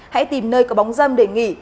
hãy tìm nơi có bóng dâm để nghỉ